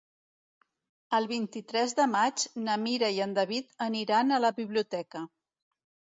El vint-i-tres de maig na Mira i en David aniran a la biblioteca.